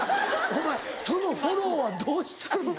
お前そのフォローはどうしたんや？